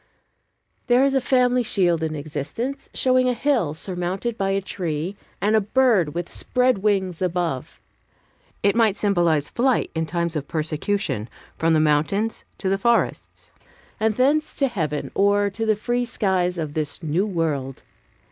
There is a family shield in existence, showing a hill surmounted by a tree, and a bird with spread wings above. It might symbolize flight in times of persecution, from the mountains to the forests, and thence to heaven, or to the free skies of this New World.